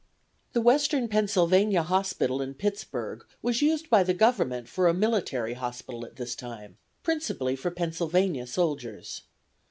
The Western Pennsylvania Hospital in Pittsburg was used by the Government for a military hospital at this time, principally for Pennsylvania soldiers.